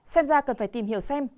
xem ra cần phải tìm hiểu xem